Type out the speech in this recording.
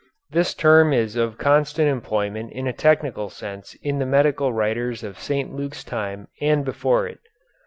This term is of constant employment in a technical sense in the medical writers of St. Luke's time and before it.